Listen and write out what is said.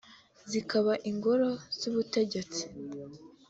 zikaba ingoro z’ubutegetsi